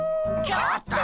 ちょっと！